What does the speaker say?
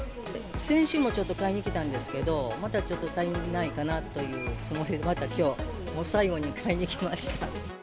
先週もちょっと買いに来たんですけども、またちょっと足りないというつもりで、またきょう最後に買いに来ました。